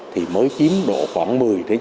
thì mới chiếm độ khoảng một mươi hai mươi